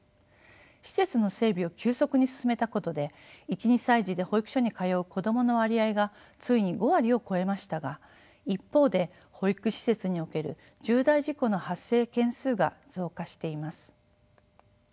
施設の整備を急速に進めたことで１２歳児で保育所に通う子どもの割合がついに５割を超えましたが一方で保育施設における重大事故の発生件数が増加しています。